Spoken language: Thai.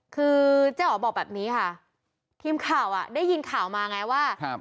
คือเจ๊อ๋อบอกแบบนี้ค่ะทีมข่าวอ่ะได้ยินข่าวมาไงว่าครับ